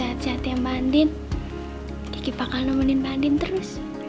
sehat sehat ya mbak andin kiki bakal nemenin mbak andin terus